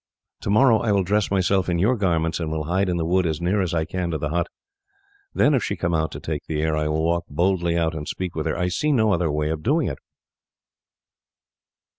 To morrow I will dress myself in your garments and will hide in the wood as near as I can to the hut; then if she come out to take the air I will walk boldly out and speak with her. I see no other way of doing it."